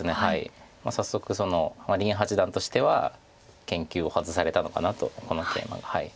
早速林八段としては研究を外されたのかなとこのケイマが。